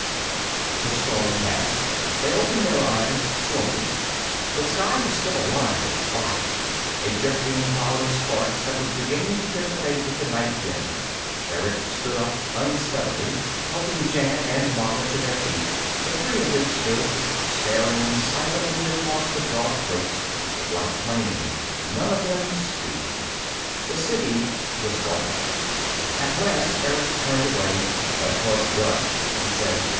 The storm passed. They opened their eyes slowly. The sky was still alive with fire, a drifting cloud of sparks that was beginning to dissipate with the night wind. Erick stood up unsteadily, helping Jan and Mara to their feet. The three of them stood, staring silently across the dark waste, the black plain, none of them speaking. The City was gone. At last Erick turned away. "That part's done," he said.